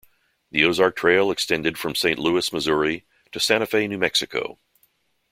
The Ozark Trail extended from Saint Louis, Missouri, to Santa Fe, New Mexico.